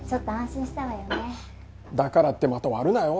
だからってまた割るなよ。